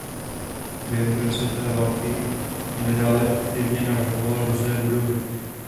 Během druhé světové války i nadále aktivně navrhoval různé budovy.